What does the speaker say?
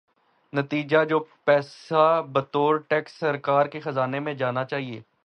نتیجتا جو پیسہ بطور ٹیکس سرکار کے خزانے میں جانا چاہیے۔